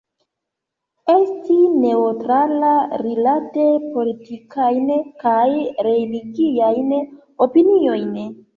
Esti neŭtrala rilate politikajn kaj religiajn opiniojn.